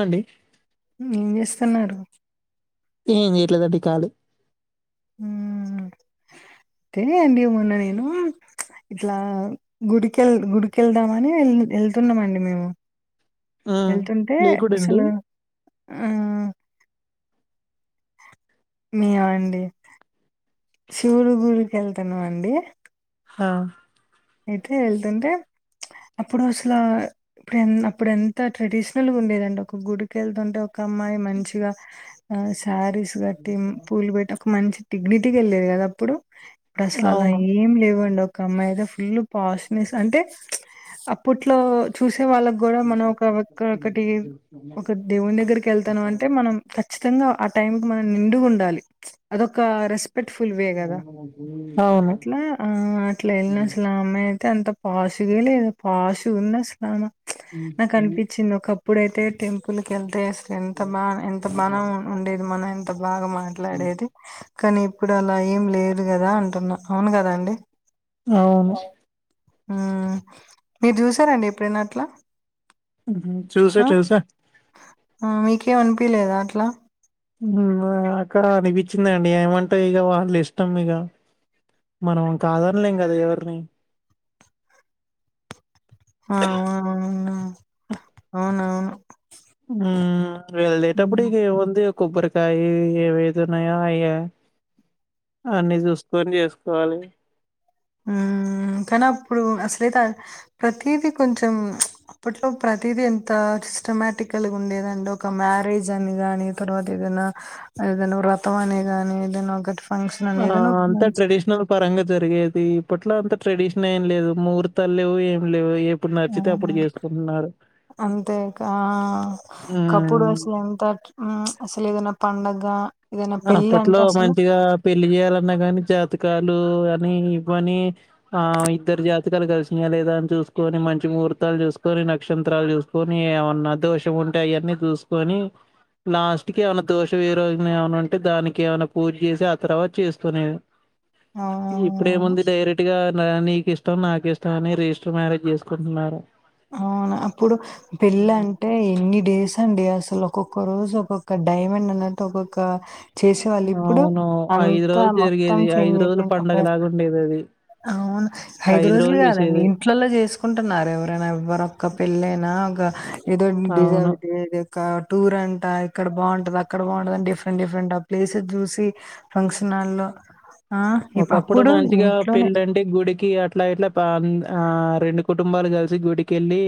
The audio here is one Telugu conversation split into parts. అండి ఏం జేస్తన్నారు ఏం జెయట్లేదండి ఖాళి ఊమ్ అయితే అండి మొన్న నేను ఇట్లా గుడికెల్ గుడికెళ్దామని ఎల్ ఎళ్తున్నామండి మేము ఆ ఎళ్తుంటే లేకుడండి అసలు ఆ మీఆ అండి శివురు గురికి ఎళ్తన్నాం అండి హా అయితే వెళ్తుంటే అప్పుడు అసలు ఇప్పుడు ఎ అప్పుడు ఎంత ట్రెడిషనల్గా ఉండేదండి ఒక గుడికెళ్తుంటే ఒక అమ్మాయి మంచిగా ఆ శారీస్ కట్టి పూలు పెట్ట ఒక మంచి డిగ్నిటీగ వెళ్ళేది కదా అప్పుడు ఇప్పుడు అసలు అలా అవును ఏం లేవండి ఒక అమ్మాయి అయితే ఫుల్ పాష్ నెస్ అంటే అప్పట్లో చూసి తే వాళ్ళకి కూడా మనం ఒక ఒక్కటి ఒక దేవుని దగ్గరకి వెళ్తానం అంటే మనం ఖచ్చితంగా అ టైమ్ కి మనం నిండుగుండాలి అదొక రెస్ స్పెక్ట్ ఫుల్ వే కదా అవును అట్లా ఆ అట్లా ఎన్నో సా అమ్మాయి అయితే అంత పాషగే లేదు పాష్ గుంది అసల్ ఆమె నాకు అనిపిచ్చింది ఒకప్ ప్పుడైతే టెంపుల్ కెళ్తే అసలు ఎంత బాగా ఎంత బాన ఉండేది మనం ఎంత బాగా మాట్లాడేది కానీ ఇప్పుడు అలా ఏం లేదు కదా అంటున్నా అవును కదా అండి అవును మ్ మీరు చూసారా అండి ఎప్పుడైనా అట్లా? మ్హు చూసా ఆ! చూసా. ఆ మీకేం అనిపిలేదా అట్ల మ్ అక్కడ అనిపిచ్చిందండి ఏమంటె ఇగ వాల్ ఇష్టం ఇగ మనం కాదనలేం కదా ఎవరిని అవ అవున అవునవును మ్ వెళ్లేటప్పుడే హ్మ్. ఇగ ఎవన్ ది కొబ్బరికాయ ఏ వేదనయా ఏ అన్నీ చూసుకోని చేసుకోవాలి. మ్ మ్ కానీ అప్పుడు అసలైతే ప్రతిది కొంచెం అప్పట్లో ప్రతిది అంత సిస్టమాటికల్గా ఉండేదండి ఒక మ్యారేజ్ అని గాని తర్వాత ఏదనా ఏదనా వ్రతం అనిగాని ఏదైనా ఒకటి ఫంక్షన్ అని ఆ ఏదైనా ఒక అంతా మంచి ట్రెడిషనల్ పరంగా జరిగేది ఇ ఇప్పట్లో అంత ట్రెడిషన్ ఏం లేదు ముహూర్తాలు లేవు ఏం లేవు ఎప్పుడు నచ్చితే అప్పుడు చేసుకుంటున్నారు అంతేకా ఒకప్పుడు హ్మ్. అసలు ఎంత ట్రే మ్ అసలు ఏదైనా పండగ ఏదైనా అప్పట్లో పెళ్ళంటే అసలు మంచిగా పెళ్లి చేయాలన్నా కాని జాతకాలు నీ ఇవని ఆ ఇద్దరు జాతకాలు కలిసినయా లేదా అని చూసుకొని మంచి ముహూర్తాలు చూసుకొని నక్షంత్రాలు చూసుకొని ఏవన్న దోషం ఉంటే అయన్నీ చూసుకొని లాస్ట్ కి ఎవన్న దోష వీరో నయ ఏమన ఉంటే దానికి ఏమైనా పూజ చేసి ఆ తర్వాత చేసుకునేది అవునవునవును. ఇప్పుడేముంది డైరెక్ ట్టిగా నీకిష్టం నాకిష్టం అని రిజిస్టర్ మ్యారేజ్ చేసుకుంటున్నారు అవును అప్పుడు పెళ్లంటే ఎన్ని డేస్ అండి అసలు ఒక్కొక్క రోజు ఒక్కొక్క డైమండ్ అన్నట్టు ఒక్కొక్క చేసేవాళ్ళు ఇప్పుడు అవును. అంతా రోజులు మొత్తం జరిగేది. చేంజ్ రోజులు అయిపోయింది ఒకే పండగలాగుండేదది. అవును ఐదు రోజులు కాదండి ఇంట్లలో చేసుకుంటున్నార ఎవరైనా ఎవ్వరోక్క పెళ్లయిన ఒక ఏదో డీజే అవును. పెట్టి విడియో కా టూర్ అంట, ఇక్కడ బావుంటది, అక్కడ బావుంటదని డిఫరెంట్, డిఫరెంట్ ఆ ప్లేసెస్ చూసి ఫంక్షన్ ఆ ఇప్ అప్పుడు ఇంట్లోనే, కి అట్లా, ఇట్లా పా ఆ రెండు కుటుంబాలు గలిసి గుడికెళ్ళి,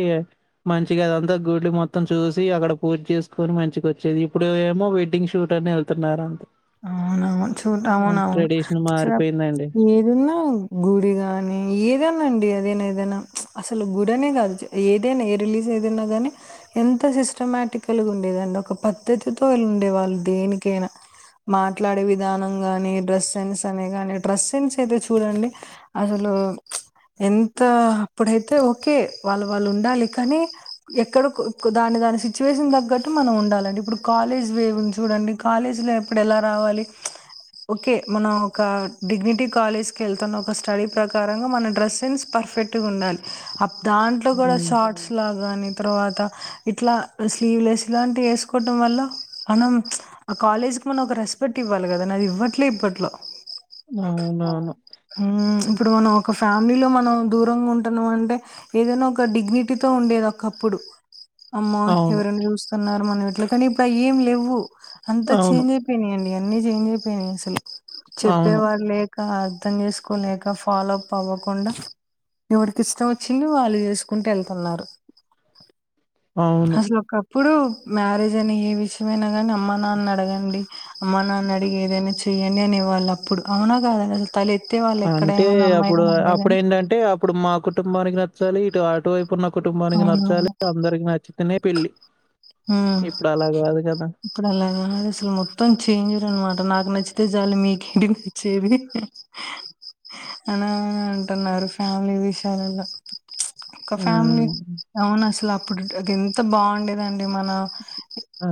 మంచిగా అదంతా గు గుడులు మొత్తం చూసి, అక్కడ పూర్తి చేసుకొని మంచిగోచ్చేది. ఇప్పుడు ఏమో వెడ్డింగ్ షూట్ అని ఎళ్తున్నారు అంతే. అవును, చూట్ అవునవును ట్రెడిషన్ మారిపోయిందండి. ఏదున్నా గుడిగాని, ఏదన్నాండి అదే నేన్ ఏదైనా, అసలు గుడనే కాదు, ఏదైనా ఏ రిలీజ్ ఏదైనా గానీ ఎంత సిస్టమటికల్ గా ఉండేదండి. ఒక పద్ధతితో వాళ్ళు ఉండే వాళ్ళు దేనికైనా. మాట్లాడే విధానం గాని, డ్రెస్ సెన్స్ అనే గాని, డ్రెస్ సెన్స్ అయితే చూడండి అసలు ఉమ్ ఎంత అప్పుడైతే ఓకే వాళ్ళు, వాళ్ళు ఉండాలి కానీ ఎక్కడో ఒకదాని దాని సిచ్యువేషన్ తగ్గట్టు మనం ఉండాలండి. ఇప్పుడు కాలేజ్ వే ఉంది చూడండి, కాలేజ్ లో ఎప్ ఎప్పుడు ఎలా రావాలి ఓకే మనం ఒక డిగ్నిటీ కాలేజ్ కి ఎళ్తున్న, ఒక స్టడీ ప్రకారంగా మన డ్రెస్ సెన్స్ ప పెర్ఫెక్ట్ గా ఉండాలి. అప్ దాంట్లో కుడా హ్మ్. షార్ట్స్, లాగ్ గాని తర్వతా, ఇట్లా స్లివ్ లెస్ లాంటి, ఎస్కోవాటమ్ వల్ల, మనం ఆ కాలేజ్ మనకు ఒక రెస్పెక్ట్ ఇవ్వాలి గదా, నాది ఇవ్వట్లే ఇప్పట్లో, అవునవును. ఉమ్మ్ ఇప్పుడు మనం ఒక ఫ్యామిలీలో మనం దూరంగా ఉంటున్నాం అంటే, ఏదైనా ఒక డిగ్నిటీతో ఉండేది ఒకప్పుడు. అమ్మో అవును. ఎవరైనా జుస్తున్నారు, మనం ఇట్ల కానీ ఇప్పుడయ్యి ఏం లేవ్వు. అవును. అయినాయండి, అన్ని చేంజ్ అయిపోయినాయి అసలు అవును. చెప్పేవాళ్ళు లేక. అర్థం చేసుకోలేక, ఫాలో అప్ అవ్వకుండా. ఎవడికి ఇష్టం వచ్చింది, వాళ్ళు చేసుకుంట ఎళ్తున్నారు. అవును. ఇప్పుడు మ్యారేజ్ అనే, ఏ విషయమైనా గానీ అమ్మ, నాన్నని అడిగా డి. అమ్మా, నాన్న అడిగి ఏదైనా చెయ్యండి అనేవాళ్ళు అప్పుడు. అవునా, కాదా అసలు తలెత్ అంటే అప్పుడు, అప్పుడెంటంటే అప్పుడు మా కుటుంబానికి నచ్చాలి. ఇటు, అటువైపు ఉన్న కుటుంబానికి నచ్చాలి, అవునవును. అందరికి నచ్చితేనే పెళ్ళి. హుమ్మ్, ఇప్పుడలా గాద్ అసలు మొత్తం చేంజుర్ అన్నమాట్ ట. నాకు నచ్చితే చాలు, మీకేంటిది నచ్చేది. అన అన్ అంటున్నారు, ఫ్యామిలీ విషయాలల్లో. ఒక ఫ్యామిలీ, హ్మ్. అవును అసల్ అప్పుడు అది ఎంత బాగుండేద్ ఆ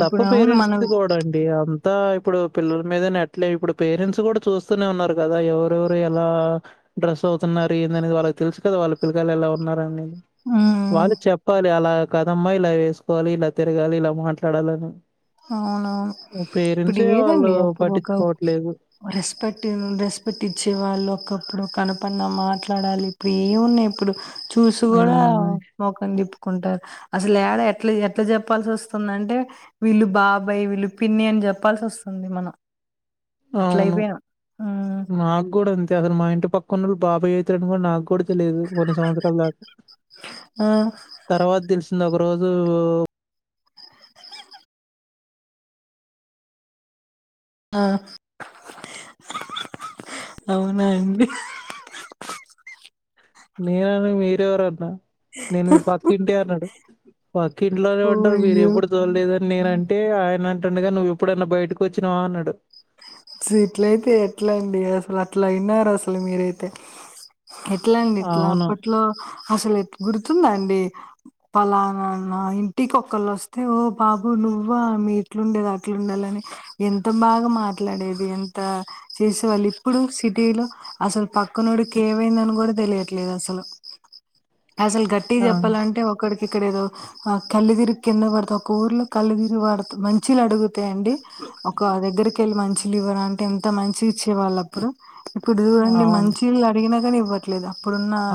తప్పు ఇప్పుడు అవును పేరెంట్స్ మనం ది కూడా అండి ఆమ్. తా, ఇప్పుడు పిల్లల మీదనే నేట్లే, ఇప్పుడు పేరెంట్స్ కూడా చూస్తూనే ఉన్నారు గదా, ఎవరెవరు ఎలా డ్రెస్ అవుతున్నారు, ఏందానేది వాళ్ళకి తెలుసు కదా, వాళ్ళ పిల్లలు కాయలు ఎలా ఉన్నారని. హ్మ్. వాళ్ళు చెప్పాలి, అలా కదమ్మా, ఇలా ఏస్ పోలి, ఇలా తిరగాలి, ఇలా మాట్లాడాలని అవునవును, ఇప్పుడు పేరెంట్సే వాళ్ళు ఏదండి అప్పుడు ఒక పట్టించుకోవట్లేదు. రెస్పెక్ట్న్, రెస్పెక్ట్ ఇచ్చే వాళ్ళు ఒకప్పుడు కనప్ అప్పున మాట్లాడాలి, ఇప్పుడు ఏమున్నాయి ఇప్పుడు, చూసి గుడా హ్మ్. మొఖం తిప్ కుంటా. అసలు ఏడ ఎట్లా, ఎట్లా జెప్పాల్సి వస్తుందంటే, వీళ్ళు బాబాయ్, వీళ్ళు పిన్ని అని జెప్పాల్సి వస్తుంది మనం. అట్లా అవును, అయిపోయాం మ్మ్ మాక్ గుడా అంతే. అసలు అతను మా ఇంటి పక్క ఉన్నాడు, బాబాయి అయితాడు అని కూడా, నాక్ గుడా తే తెలిదు కొన్ని సంవత్సరాల దాకా ఆ తర్వాత తెలుసు ఒక రోజు ఆ అవునాండి నేనని మీరెవరు అన్నా నేను మీ పక్కింటి అన్నాడు పక్క ఇంట్లోనే ఓ ఉంటారు మీరు ఎప్పుడు అయ్యో చూడలేదని నేనంటే ఆయన టన్నుగా నువ్వుప్పుడైన్న బయటకు వచ్చినావా అన్నడు సి ఇట్లయితే ఎట్ల అండి అసలు అట్లా అయినారు అసలు మీరైతే ఎట్లా అండి ఇట్లా అవును. అప్పట్లో అసలు ఎట్ గుర్తుందా అండి పలానా ఇంటికొకల్లోస్తే ఓ బాబు నువ్వా మీ ఇట్లుండేద అట్లుండాలని ఎంత బాగా మా మాట్లాడేది ఎంత చేసే వాళ్ళు ఇప్పుడు సిటీ లో అసలు పక్కనోడికి ఏవైందని కూడా తెలియట్లేదు అసలు అసలు గట్టి ఆ! చెప్పాలంటే ఒక్కడి ఇక్కడేదో ఆ కల్లిదిరిగి కింద పడుతె ఒక ఊర్లో కల్లిదిరి పడుత మంచిలడు త అండి ఒక దగ్గరికి వెళ్ళి మంచి లివర్ అంటే ఎంత మంచి ఇచ్చేవాళ్ళప్పుడు ఇప్పుడు చూడండి అవును. మంచిళ్ళు అడిగినా కాని ఇవ్వట్లేదా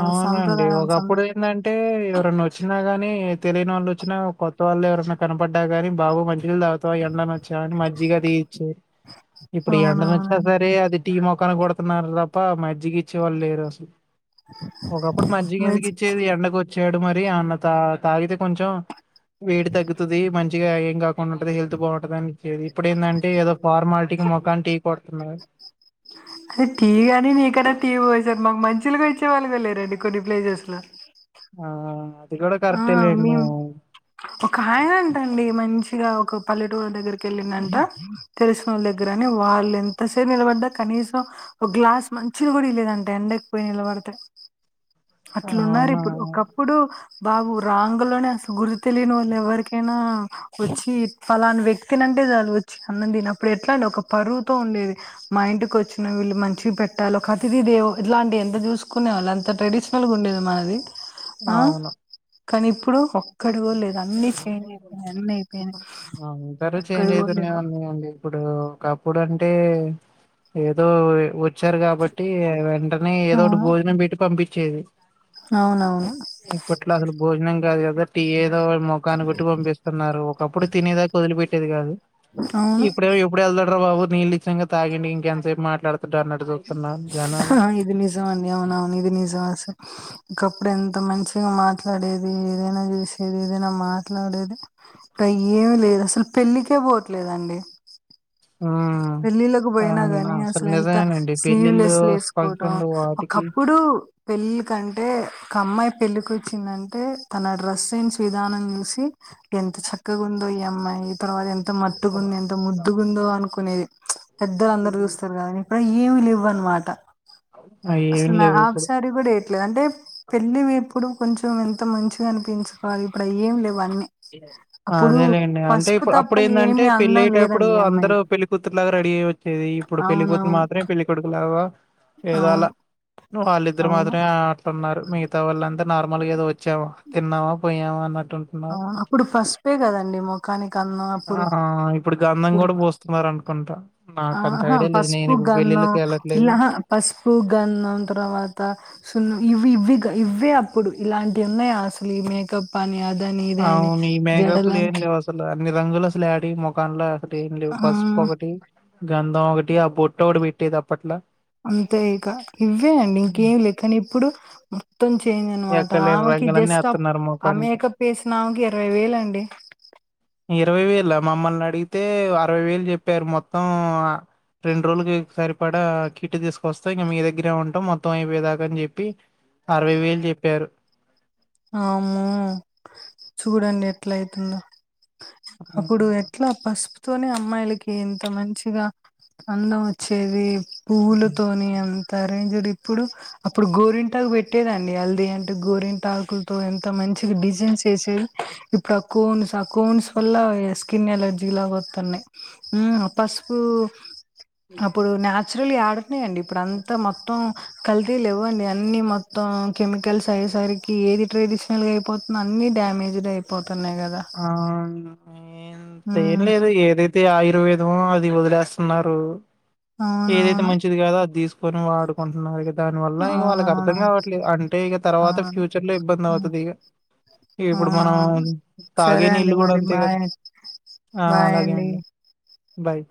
అవునండి ఒకప్పుడు ఏందంటే ఎవరన్నా వచ్చినా గాని తెలియని వాళ్ళు వచ్చినా కొత్త వాళ్ళు ఎవరైనా కనపడ్డా కాని బాబు మంచి నీళ్లు తాగుతవ ఎండ నొచ్చావ్ అని మజ్జిగా అది ఇచ్చి ఇప్పుడు ఎండన వచ్చిన అవునవునండి సరే అది టీ ముఖాన కొడుతున్నారు తప్ప మజ్జికి ఇచ్చేవాళ్ళు లేరు అసలు ఒకప్పుడు మజ్జిగ ఎందుకి మంచి ఇచ్చేది ఎండకు వచ్ చ్చడు మరి అన్న త తాగితే కొంచం వేడి తగ్గుతది మంచి మంచిగా ఏం కాకుండాంటది హెల్త్ బాగుంటది అని ఇచ్చేది ఇప్పుడు ఏందంటే ఏదో ఫార్మాలిటీకి మోఖాన టీ కొడుతున్నారు అ టి గాని నిక్కిన టి పోశారు మాకు మంచి నీళ్ళు కూడ ఇచ్చేవాళ్ళు గుడ లేరండి కొన్ని ప్లేసెస్ లో ఆ అది కూడా ఆ కరెక్టే లేండి మేం కాయన అంట అండి మంచిగా ఒక పల్లెటూరు దగ్గరికి వెళ్ళిందంట తెలిసిన వాళ్ళ దగ్గర అని వాళ్ళు ఎంత సేర నిలబడ్డ కనీసం ఒక గ్లాస్ మంచి నీళ్ళు కూడా ఈ లేదంట అండి పోయి నిలబడితే అట్లున్నారు అవునా ఇప్పుడు ఒకప్పుడు బాబు రాంగులోనే అస గురు తెలియని వాళ్ళు ఎవరికైనా వచ్చి పలానా వ్యక్తిని అంటే చాలు వచ్చి అన్నం తినప్పుడు ఎట్ల అండి ఒక పరువుతో ఉండేది మా ఇంటికి వచ్చిన వీళ్ళు మంచిగా పెట్టాలి ఒక అతిథిదేవో ఇట్లాంటి ఎంత చూసుకో కునే వాళ్ళు అంత ట్రెడిషనల్గా ఉండేది మనది ఆ కాని ఇప్పుడు ఒక్కడు కూడా లేదు అన్ని చేంజ్ అయిపోయినాయి అన్ని అయిపోయినాయి అందరు చేేంజ్ ఒక్కడు కూడా అయితూనే లేవు ఉన్నాయండి ఇప్పుడు ఒకప్పుడంటే ఏదో వ వచ్చారు కాబట్టి వెంటనే ఏదో ఒకటి అవును భోజనం పెట్టి పంపించేది అవునవును ఇప్పట్లో అసలు భోజనం కాదు కదా టియే ఏదోకటి మొఖాన్ని కొట్టి పంపిస్తున్నారు ఒకప్పుడు తినేదా వదిలిపెట్టేది కాదు అవును ఇప్పుడే ఎప్పుడు వెళ్తాడ్రా బాబు నీళ్ళు నిచ్చంగా తాగిండి ఇంకెంతసేపు మాట్లాడత ఇది నిజం అండి అవునవును ఇది నిజంస ఒకప్పుడు ఎంత మంచిగా మాట్లాడేది ఏదైనా చేసేది ఏదైనా మాట్లాడేది ఏమి లేదు అసలు పెళ్ళికే పోవట్లేదండి ఆహా పెళ్ళిళ్ళలకు పోయినా గాని అసలు ఎంత స్లీవ్ పెళ్ళిళ్ళు లెస్లు వేసుకోవటం ఫంక్షన్లు వాటికి ఒకప్పుడు పెళ్లి ఎందుకంటే ఒక అమ్మాయి పెళ్ళకి వచ్చిందంటే తన డ్రస్ సెన్స్ విధానం చూసి ఎంత చక్కగా ఉందో ఈ అమ్మాయి తర్వాత ఎం ఎంత మట్టుకుంది ఎంత ముద్దుగుందో అనుకునేది పెద్దలు అందరు చూస్తారు కద ఇప్పుడ ఏమి లేవ్వ అనమాట అయి అసలు ఏమి మా లేవు ఇప్పుడు హాఫ్సరీ కూడా వేయట్లేదు అంటే పెళ్ళి ఇప్పుడు కొంచెం ఎంత మంచిగా అనిపించకోవాలి ఇప్పుడు ఆ ఏం లే అదేలేండి పసుపు అంటేప్పుడు తప్ప అప్పుడు ఏంటంటే ఏమి అందం పెళ్లియేటప్పుడు లేదండి ఈ అందరు అమ్మాయికి కూతురులాగా రెడీయ వచ్చేది ఇప్పుడు పెళ్ళి కూతురు అవునవును మాత్రమే పెళ్ళి కొడుకు లాగా ఏదో అలా అవును వాళ్ళిద్దరు అవును మాత్రమే ఆ అన్నారు మిగతా వాళ్ళ అంతా నార్మల్గా ఏదో వచ్చామా తిన్నావా పోయామా ఉన్నట్టుంటున్నారు అవును అప్పుడు పసుపే కదండి ముఖానికి అందం అప్పుడు ఆహా ఇప్పుడు గంధం కూడా పూస్తున్నారు అనుకుంటా నాకంత ఆహా ఐడియా లేదు నేను పసుపు ఇప్పుడు గంధం పెళ్ళిళ్ళకి వెళ్ళట్లేదు ఇలాహా పసుపు గన్నం తర్వాత సున్నం ఇవి ఇవిగా ఇవే అప్పుడు ఇలాంటివి ఉన్నాయా అసలు ఈ మేకప్ అని అది అవును ఈ మేకప్లు ఏం లేవు అసలు అన్ని రంగులు అసలు ఏడివి మొకాన్లు అసలు ఏం లేవు పసుపు ఆ ఒకటి గంధం ఒకటి ఆ బొట్టు ఒకటి పెట్టేది అప్పట్లా అంతే ఇక ఇవే అండి ఉమ్. ఇంకేం లేకని ఇప్పుడు మొత్తం చేంజ్ అనమాట ఎక్కడ లేని ఆమెకి రంగులన్నీ జస్ట్ ఆ వేస్తున్నారు ఆ ముఖానికి మేకప్ వేసిన ఆమెకి ఇరవై వేలు అండి ఇరవై వేల మమ్మల్ని అడిగితే అరవై వేలు చెప్పారు మొత్తం రెండు రోజులకి సరిపడా కిట్టు తీసుకొస్తా ఇంక మీ దగ్గరే ఉంటాం మొత్తం అయిపోయేదాకా అని చెప్పి అరవై వేలు చెప్పారు అమ్మో చూడండి ఎట్లా అయితుందో అప్పుడు ఎట్లా పసుపు తోనే అమ్మాయిలకి ఇంత మంచిగా అందం వచ్చేది పువ్లతోని స రేంజర్ ఇప్పుడు అప్పుడు గోరింటాకు పెట్టేదండి హల్ది అంటే గోరింటా ఎంత మంచి డిజైన్స్ వేసేది ఇప్పుడు ఆ కోన్స్ ఆ కోన్స్ వల్ల స్కిన్ ఎలర్జీ లాగా వతున్నయి ఉమ్ ఆ పసుపు అప్పుడు నాచురల్ యడున్నాయి అండి ఇప్పుడు అంతా మొత్తం కల్తీ లేవ్వండి అన్ని మొత్తం కెమికల్స్ అయ్యేసరికి ఏది ట్రెడిషనల్ గా అయిపోతుంది అన్ని డ్యామేజ్డ్ అయిపో ఆంతేం ఉమ్ ఏం లేదు అయితే ఆయుర్వేదం అది వదిలేస్తున్నారు ఆ ఏదైతే మంచిది కాదో అది తీసుకొని వాడుకుంటున్నారు ఇక దాని వల్ల ఇక వాళ్ళకి అర్థం అవునవును. కావట్లేదు అంటే ఇక తర్ తర్వాత అవును. ఫ్యూచర్ లో ఇబ్బంది హ్మ్. అవుతుంది ఇక ఇప్పుడు మనం అవునవును. తాగే సరే అండి నీల్లు కూడా మరి. అంతే కదా బాయ్. ఆ అలాగే అండి బాయ్